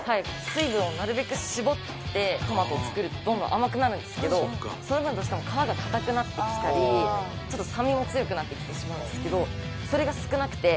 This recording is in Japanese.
水分をなるべく絞ってトマトを作るとどんどん甘くなるんですけどその分どうしても皮が硬くなってきたりちょっと酸味も強くなってきてしまうんですけどそれが少なくて。